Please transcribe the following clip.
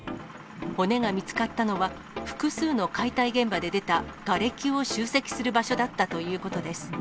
骨が見つかったのは、複数の解体現場で出たがれきを集積する場所だったということです。